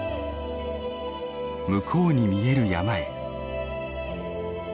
向こうに見える山へ。